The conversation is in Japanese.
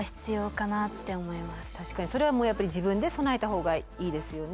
確かにそれはもうやっぱり自分で備えた方がいいですよね。